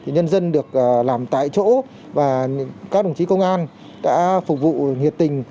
nhân dân được làm tại chỗ và các đồng chí công an đã phục vụ nhiệt tình